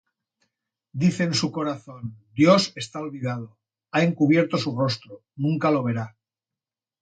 Dice en su corazón: Dios está olvidado, Ha encubierto su rostro; nunca lo verá.